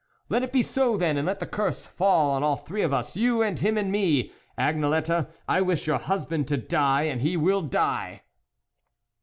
Let it be so then, and let the curse fall on all three of us, you and him and me ! Agnelette, I wish your husband to die, and he will die